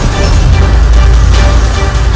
aku akan menangkapmu